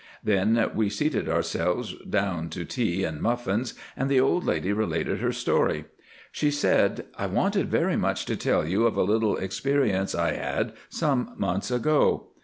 Then we seated ourselves down to tea and muffins, and the old lady related her story. She said:—"I wanted very much to tell you of a little experience I had some months ago.